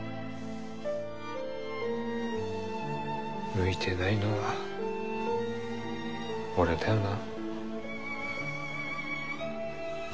向いてないのは俺だよな。